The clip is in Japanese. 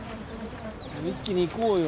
一気に行こうよ。